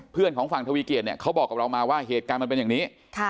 ของฝั่งทวีเกียจเนี่ยเขาบอกกับเรามาว่าเหตุการณ์มันเป็นอย่างนี้